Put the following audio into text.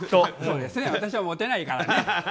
私はモテないからね。